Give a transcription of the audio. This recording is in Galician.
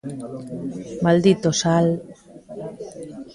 Maldito sal.